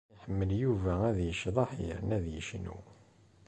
Iḥemmel Yuba ad yecḍeḥ yerna ad yecnu.